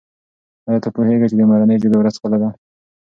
آیا ته پوهېږې چې د مورنۍ ژبې ورځ کله ده؟